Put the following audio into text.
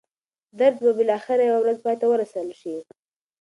درد به بالاخره یوه ورځ پای ته ورسول شي.